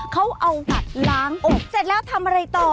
เขาเอาบัตรล้างอกเสร็จแล้วทำอะไรต่อ